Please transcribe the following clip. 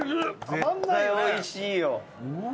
絶対おいしいよ。